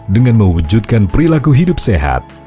dengan mewujudkan perilaku hidup sehat